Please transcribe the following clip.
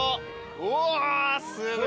うわーすごい！